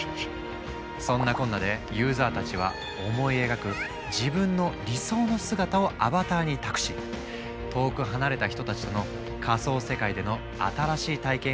そんなこんなでユーザーたちは思い描く自分の理想の姿をアバターに託し遠く離れた人たちとの仮想世界での新しい体験を楽しんだんだ。